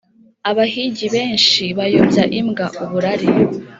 Abahigi benshi bayobya imbwa (uburari).